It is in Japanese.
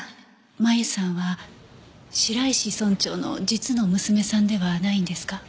麻由さんは白石村長の実の娘さんではないんですか？